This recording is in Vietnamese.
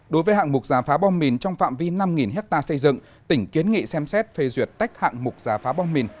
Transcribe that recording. đối với hạng mục giả phá bom mìn trong phạm vi năm hectare xây dựng tỉnh kiến nghị xem xét phê duyệt tách hạng mục giả phá bom mìn